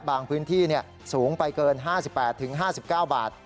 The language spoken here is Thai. พื้นที่สูงไปเกิน๕๘๕๙บาท